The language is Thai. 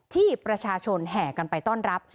ที่ประชาชนแห่กันไปต้อนรับ